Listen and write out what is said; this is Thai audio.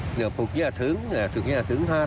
เหนือปลูกเยี่ยดถึงเหนือถูกเยี่ยดถึงหาด